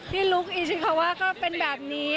ลูกอิชิคาว่าก็เป็นแบบนี้